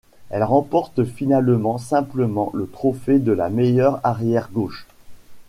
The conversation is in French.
Elle remporte finalement simplement le trophée de la meilleure arrière gauche.